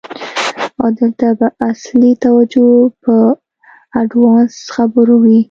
او دلته به اصلی توجه په آډوانس خبرو وی.